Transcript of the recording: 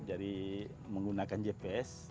jadi menggunakan gps